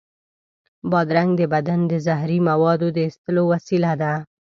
بادرنګ د بدن د زهري موادو د ایستلو وسیله ده.